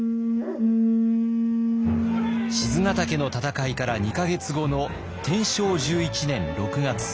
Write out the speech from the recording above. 賤ヶ岳の戦いから２か月後の天正１１年６月。